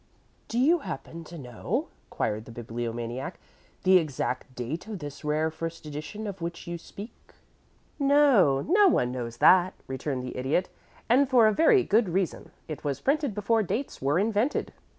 "Do you happen to know," queried the Bibliomaniac, "the exact date of this rare first edition of which you speak?" "No; no one knows that," returned the Idiot. "And for a very good reason. It was printed before dates were invented."